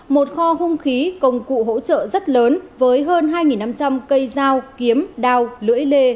một kho hung khí công cụ hỗ trợ rất lớn với hơn hai năm trăm linh cây dao kiếm đao lưỡi lê